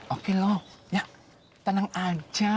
oke loh ya tenang aja